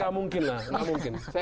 gak mungkin lah